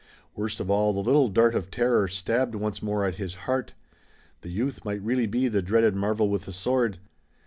Worst of all, the little dart of terror stabbed once more at his heart. The youth might really be the dreaded marvel with the sword.